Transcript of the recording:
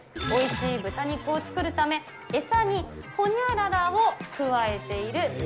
おいしい豚肉を作るため、餌にほにゃららを加えている。